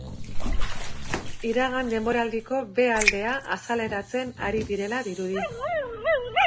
Iragan denboraldiko b aldea azaleratzen ari direla dirudi.